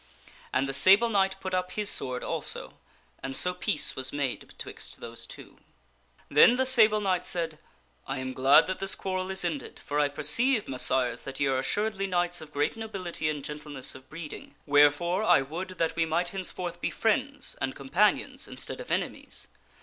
And the Sable Knight put up his sword also, and so peace was made betwixt those two. Then the Sable Knight said, " I am glad that this quarrel is ended, for I perceive, Messires, that ye are assuredly knights of great nobility and gentleness of breeding ; wherefore I would that we might henceforth be friends and companions instead of enemies.